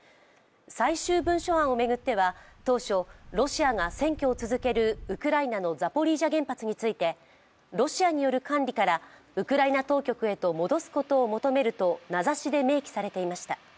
最終文書案を巡っては当初、ロシアが占拠を続けるウクライナのザポリージャ原発についてロシアによる管理からウクライナ当局へと戻すことを求めると名指しで明記されていました。